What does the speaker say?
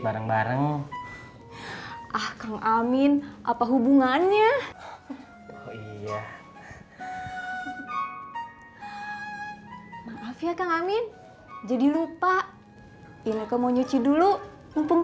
bareng bareng ah kang amin apa hubungannya iya maaf ya kang amin jadi lupa ini kemuji dulu mumpung